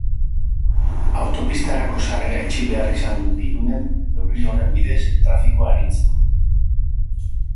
Autopistarako sarrera itxi behar izan dute Irunen, neurri horren bidez trafikoa arintzeko.